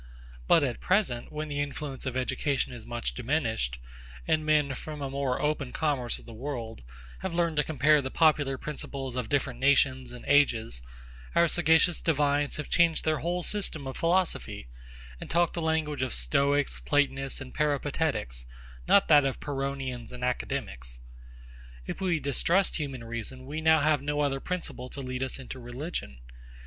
But at present, when the influence of education is much diminished, and men, from a more open commerce of the world, have learned to compare the popular principles of different nations and ages, our sagacious divines have changed their whole system of philosophy, and talk the language of STOICS, PLATONISTS, and PERIPATETICS, not that of PYRRHONIANS and ACADEMICS. If we distrust human reason, we have now no other principle to lead us into religion.